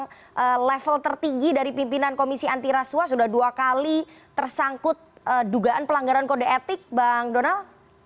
apakah ini kemudian contoh buruk bagi seorang level tertinggi dari pimpinan komisi anti rasuah sudah dua kali tersangkut dugaan pelanggaran kode etik bang donal